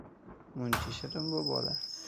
— Muncha shirin bu bola!